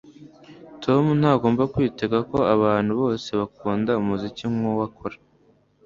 Tom ntagomba kwitega ko abantu bose bakunda umuziki nkuwo akora